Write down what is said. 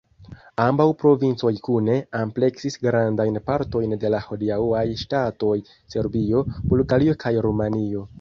Ambaŭ provincoj kune ampleksis grandajn partojn de la hodiaŭaj ŝtatoj Serbio, Bulgario kaj Rumanio.